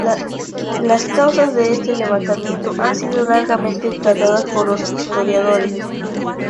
Las causas de este levantamiento han sido largamente tratadas por los historiadores.